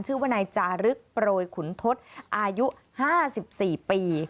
ชื่อว่านายจารึกโปรยขุนทศอายุ๕๔ปี